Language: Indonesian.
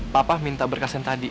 papa minta berkas yang tadi